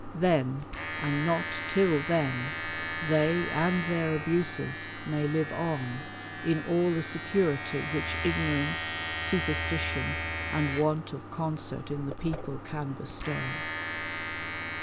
Then, and not till then, they and their abuses may live on, in all the security which ignorance, superstition, and want of concert in the peoj:tle can bestow.